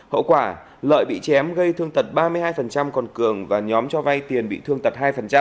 hậu quả lợi bị chém gây thương tật ba mươi hai còn cường và nhóm cho vay tiền bị thương tật hai